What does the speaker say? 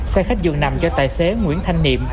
xe khách dường nằm do tài xế nguyễn thanh niệm